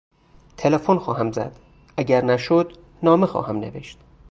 تلفن خواهم زد، اگر نشد، نامه خواهم نوشت.